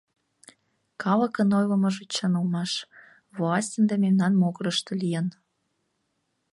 Калыкын ойлымыжо чын улмаш, власть ынде мемнан могырышто лийын.